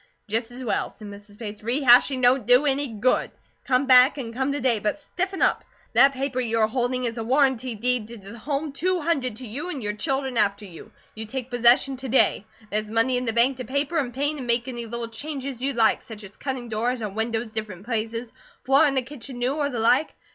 "Jest as well," said Mrs. Bates. "Re hashing don't do any good. Come back, and come to day; but stiffen up. That paper you are holding is a warrantee deed to the home two hundred to you and your children after you. You take possession to day. There's money in the bank to paper, an' paint, and make any little changes you'd like, such as cutting doors or windows different places, floorin' the kitchen new, or the like.